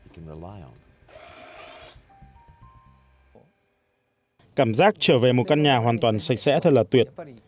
cảm giác trở về một căn nhà hoàn toàn sạch sẽ thật là tuyệt